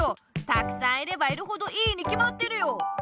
たくさんいればいるほどいいにきまってるよ！